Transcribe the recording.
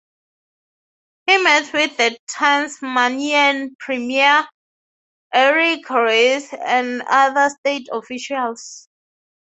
He met with then Tasmanian Premier Eric Reece and other state officials.